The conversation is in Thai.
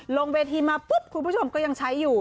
ลงเวทีมาปุ๊บคุณผู้ชมก็ยังใช้อยู่